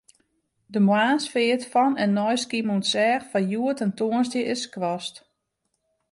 De moarnsfeart fan en nei Skiermûntseach foar hjoed en tongersdei is skrast.